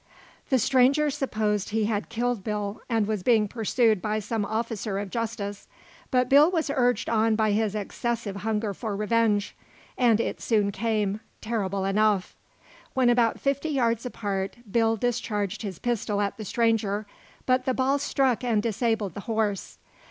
The stranger supposed he had killed Bill and was being pursued by some officer of justice; but Bill was urged on by his excessive hunger for revenge, and it soon came terrible enough. When about fifty yards apart, Bill discharged his pistol at the stranger, but the ball struck and disabled the horse.